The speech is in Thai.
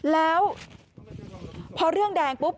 แล้วพอเรื่องแดงปุ๊บ